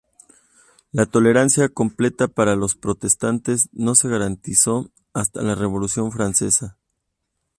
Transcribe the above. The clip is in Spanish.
La tolerancia completa para los protestantes no se garantizó hasta la Revolución Francesa.